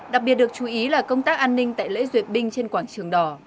đặc biệt được chú ý là công tác an ninh tại lễ duyệt binh trên quảng trường đỏ